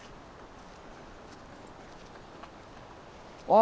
あ！